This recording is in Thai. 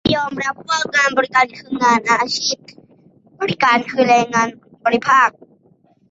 และให้ยอมรับว่า งานบริการ คืองานอาชีพบริการ คือแรงงานภาคบริการ